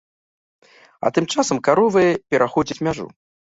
А тым часам каровы пераходзяць мяжу.